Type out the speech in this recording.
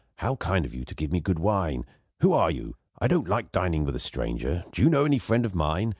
How kind of you to give me good wine. Who are you? I don't like dining with a stranger. Do you know any friend of mine?